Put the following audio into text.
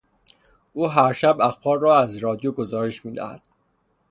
او هر شب اخبار را از رادیو گزارش میدهد.